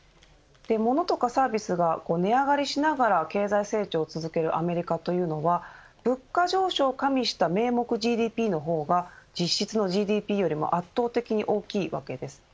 物とかサービスが値上がりしながら経済成長を続けるアメリカというのは物価上昇を加味した名目ＧＤＰの方が実質のＧＤＰよりも圧倒的に大きいわけです。